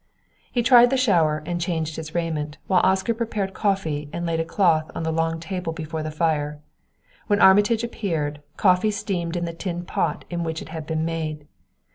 He tried the shower and changed his raiment, while Oscar prepared coffee and laid a cloth on the long table before the fire. When Armitage appeared, coffee steamed in the tin pot in which it had been made.